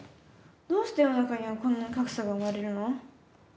どうして世の中にはこんな格差が生まれるの？